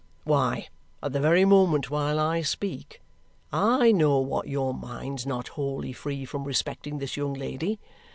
Why, at the very moment while I speak, I know what your mind's not wholly free from respecting this young lady.